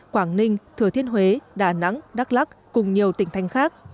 quảng ninh thừa thiên huế đà nẵng đắk lắc cùng nhiều tỉnh thanh khác